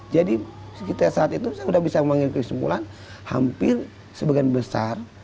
jadi sekitar saat itu saya sudah bisa memanggil kesimpulan hampir sebagian besar